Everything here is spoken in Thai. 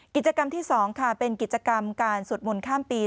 กิจกรรมที่๒ค่ะเป็นกิจกรรมการสวดมนต์ข้ามปี